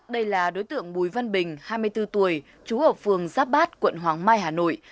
đây là đối tượng bùi văn bình hai mươi bốn tuổi chú ở phường giáp bát quận hoàng mai hà nội